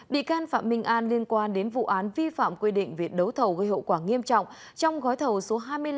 bị can phạm minh an liên quan đến vụ án vi phạm quy định về đấu thầu gây hậu quả nghiêm trọng trong gói thầu số hai mươi năm